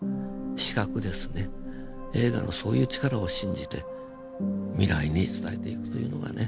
映画のそういう力を信じて未来に伝えていくというのがね。